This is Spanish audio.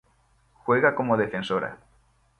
Juega como defensora.